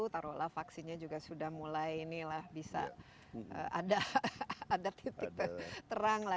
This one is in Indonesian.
taruhlah vaksinnya juga sudah mulai inilah bisa ada titik terang lah